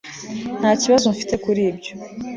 nta kibazo mfite kuri ibyo